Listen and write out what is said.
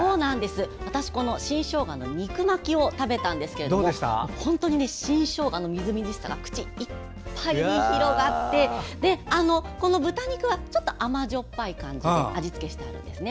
私、新ショウガの肉巻きを食べたんですが本当に新ショウガのみずみずしさが口いっぱいに広がって豚肉はちょっと甘じょっぱい感じで味付けしてあるんです。